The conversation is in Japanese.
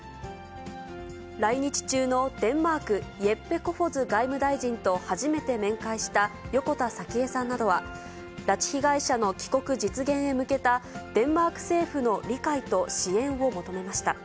来日中のデンマーク、イェッペ・コフォズ外相と初めて面会した横田早紀江さんなどは、拉致被害者の帰国実現へ向けたデンマーク政府の理解と支援を求めました。